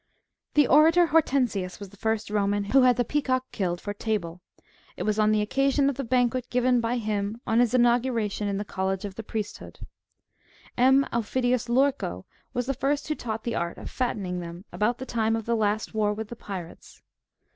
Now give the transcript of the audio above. The orator Hortensius was the first Roman who had the peacock killed for table ; it was on the occasion of the banquet given by him on his inauguration in the college of the priest hood. M. Aufidius Lurco^^ was the first who taught the art of fattening them, about the time of the last war with the Pirates.